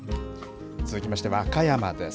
続きまして和歌山です。